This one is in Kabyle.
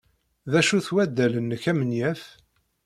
D acu-t waddal-nnek amenyaf.